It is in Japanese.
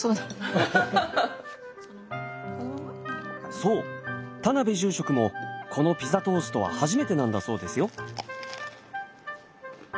そう田邊住職もこのピザトーストは初めてなんだそうですよ。